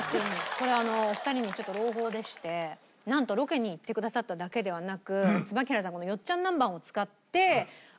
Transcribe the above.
これあのお二人にちょっと朗報でしてなんとロケに行ってくださっただけではなく椿原さんがこのうわあ。